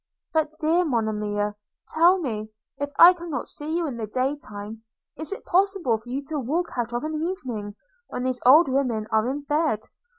But, dear Monimia, tell me, if I cannot see you in the day time, is it impossible for you to walk out of an evening, when these old women are in bed?